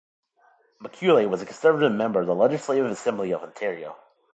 Macaulay was a Conservative member of the Legislative Assembly of Ontario.